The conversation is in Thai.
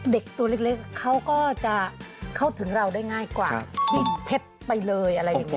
เด็กตัวเล็กเขาก็จะเข้าถึงเราได้ง่ายกว่าดินเพชรไปเลยอะไรอย่างนี้